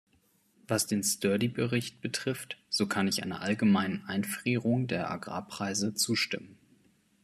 Was den Sturdy-Bericht betrifft, so kann ich einer allgemeinen Einfrierung der Agrarpreise zustimmen.